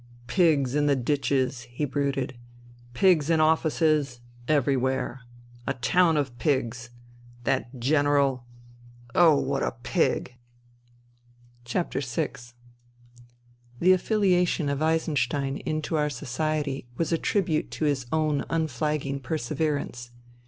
Pigs in the ditches," he brooded, " pigs in offices, everywhere. ... A town of pigs. That General ... oh I what a pig. ..." VI The " affihation " of Eisenstein into our '' society " was a tribute to his own unflagging perseverance.